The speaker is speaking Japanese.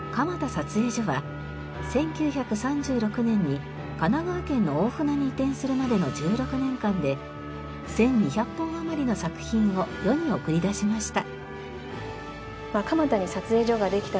撮影所は１９３６年に神奈川県の大船に移転するまでの１６年間で１２００本余りの作品を世に送り出しました。